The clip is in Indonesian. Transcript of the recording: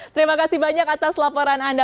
terima kasih banyak atas laporan anda